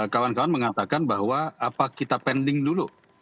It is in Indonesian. kawan kawan mengatakan bahwa apa kita pending dulu